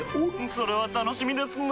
それは楽しみですなぁ。